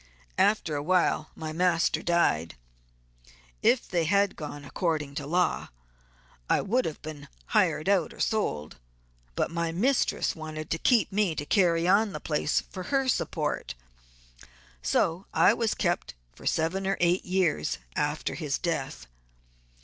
After awhile my master died; if they had gone according to law I would have been hired out or sold, but my mistress wanted to keep me to carry on the place for her support. So I was kept for seven or eight years after his death.